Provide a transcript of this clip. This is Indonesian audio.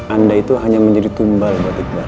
anda itu hanya menjadi tumbal buat iqbal